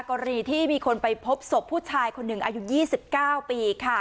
กรีที่มีคนไปพบศพผู้ชายคนหนึ่งอายุยี่สิบเก้าปีค่ะ